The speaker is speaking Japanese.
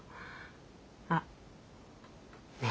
あっねえ